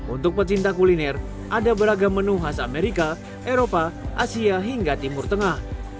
untuk pecinta kuliner ada beragam menu khas amerika eropa asia hingga timur tengah